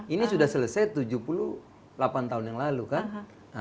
ini sudah selesai tujuh puluh delapan tahun yang lalu kan